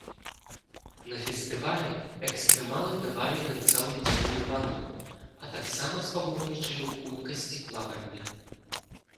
На фестывалі экстрэмалы давалі нырца ў ледзяную ваду, а таксама спаборнічалі ў хуткасці плавання.